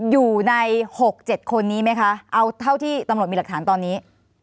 อยู่ใน๖๗คนนี้ไหมคะเอาเท่าที่ตำรวจมีหลักฐานตอนนี้